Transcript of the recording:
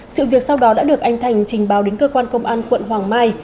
sự việc sau đó đã được anh thành trình báo đến cơ quan công an quận hoàng mai